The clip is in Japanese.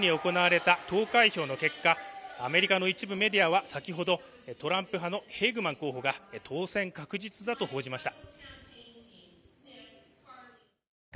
しかし１６日に行われた投開票の結果アメリカの一部メディアは先ほどトランプ派のヘイグマン候補が当選確実だと報じました